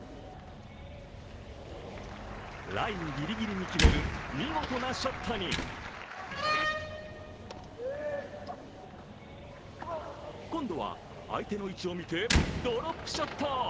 ラインぎりぎりに決める見事なショットに今度は相手の位置を見てドロップショット。